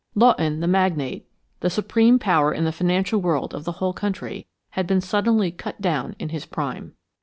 Lawton, the magnate, the supreme power in the financial world of the whole country, had been suddenly cut down in his prime.